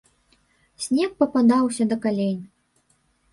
Снег пападаўся да калень.